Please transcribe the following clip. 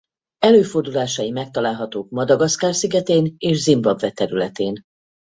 Előfordulásai megtalálhatók Madagaszkár-szigetén és Zimbabwe területén.